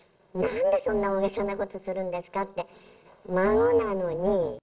なんでそんな大げさなことするんですかって、孫なのに。